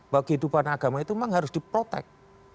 bahwa kehidupan agama itu memang harus diprotek